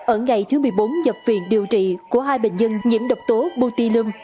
ở ngày thứ một mươi bốn nhập viện điều trị của hai bệnh nhân nhiễm độc tố butilum